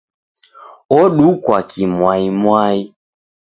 Odukwa kimwaimwai!